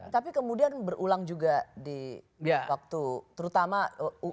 tapi kemudian berulang juga di waktu terutama